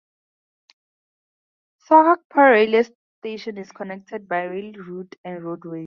Sohagpur railway station is connected by rail route and roadways.